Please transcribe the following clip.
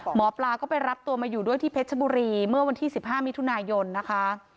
หมอปลาก็ไปรับตัวมาอยู่ด้วยที่เพชรบุรีเมื่อวันที่๑๕มิถุนายนนะคะ